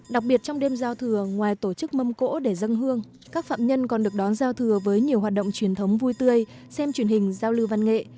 đặc biệt trong đêm giao thừa ngoài tổ chức mâm cỗ để dân hương các phạm nhân còn được đón giao thừa với nhiều hoạt động truyền thống vui tươi xem truyền hình giao lưu văn nghệ